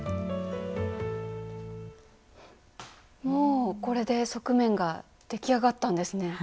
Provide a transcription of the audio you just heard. もうこれで側面が出来上がったんですね。